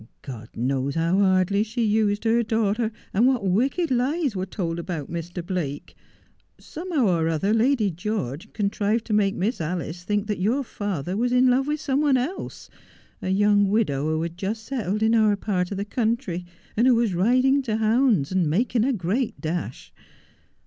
God knows how hardly she used her daughter, and what wicked lies were told about Mr. Blake. Somehow or other Lady George contrived to make Miss Alice think that your father was in love with some one else, a young widow who had just settled in our part of the country, and who was riding to hounds and making a great dash.